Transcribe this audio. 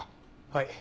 はい。